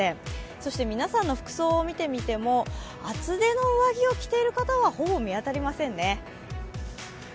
そして皆さんの服装を見てみても厚手の上着を着ている方はほぼ見当たりませんね。